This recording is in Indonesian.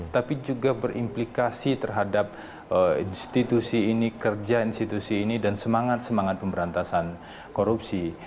tapi juga berimplikasi terhadap institusi ini kerja institusi ini dan semangat semangat pemberantasan korupsi